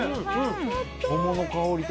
桃の香りと。